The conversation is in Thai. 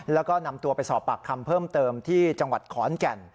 แล้วก็นำตัวไปสอบปากคำเพิ่มเติมที่จังหวัดขอนแก่น